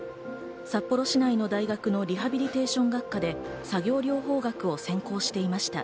札幌市内の大学のリハビリテーション学科で作業療法学科を専攻していました。